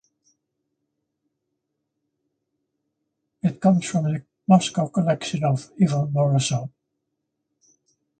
It comes from the Moscow collection of Ivan Morozov.